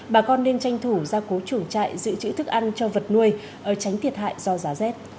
bà con nên tranh thủ ra cố chuồng trại giữ chữ thức ăn cho vật nuôi tránh thiệt hại do giá rét